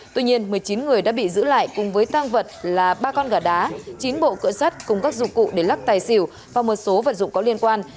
tuy nhiên một mươi chín người đã bị giữ lại cùng với tăng vật là ba con gà đá chín bộ cựa sắt cùng các dụng cụ để lắc tài xỉu và một số vật dụng có liên quan